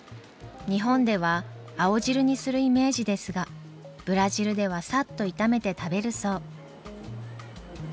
日本では青汁にするイメージですがブラジルではサッと炒めて食べるそう。